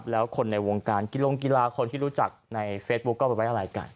แล้วคนในวงการกิลงกีฬาคนที่รู้จักในเฟซบุ๊คก็ไปไว้อะไรกัน